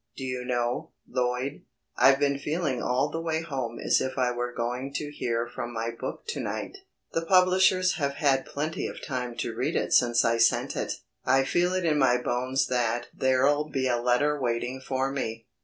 Do you know, Lloyd, I've been feeling all the way home as if I were going to hear from my book to night. The publishers have had plenty of time to read it since I sent it. I feel it in my bones that there'll be a letter waiting for me."